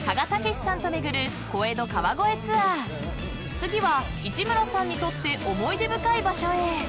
［次は市村さんにとって思い出深い場所へ］